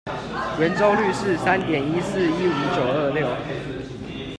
圓周率是三點一四一五九二六